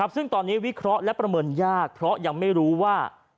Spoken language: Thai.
ซึ่งตอนนี้วิเคราะห์และประเมินยากเพราะยังไม่รู้ว่า